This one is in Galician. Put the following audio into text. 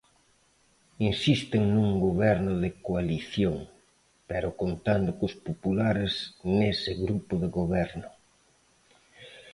Insisten nun goberno de coalición, pero contando cos populares nese grupo de goberno.